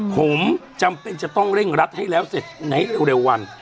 ผมจำเป็นจะต้องเร่งรัดให้แล้วเสร็จในเร็ววัน